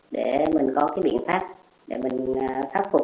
để mình có biện pháp để mình phát phục